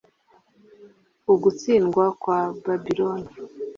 Ugutsindwa kwa Babiloni